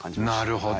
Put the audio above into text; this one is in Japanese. なるほど。